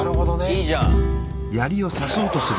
いいじゃん。